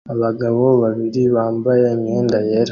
Abagabo babiri bambaye imyenda yera